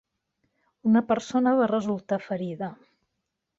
Una persona va resultar ferida.